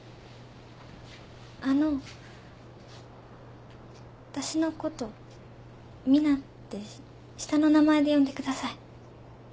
あのわたしのこと「ミナ」って下の名前で呼んでください。